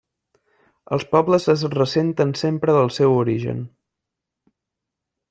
Els pobles es ressenten sempre del seu origen.